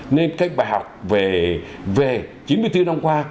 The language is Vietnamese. nên các bài học về chín mươi bốn năm qua